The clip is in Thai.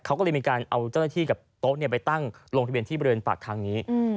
เขาก็เลยมีการเอาเจ้าหน้าที่กับโต๊ะไปตั้งลงทะเบียนที่บริเวณปากทางนี้